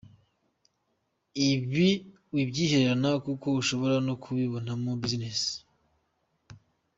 Ibi wibyihererana kuko ushobora no kubikoramo business.